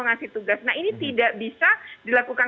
ngasih tugas nah ini tidak bisa dilakukan